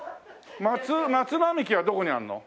松並木はどこにあるの？